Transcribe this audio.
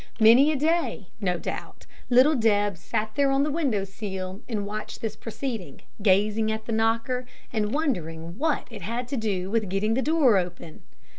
Many a day, no doubt, little Deb sat there on the window sill and watched this proceeding, gazing at the knocker, and wondering what it had to do with getting the door open.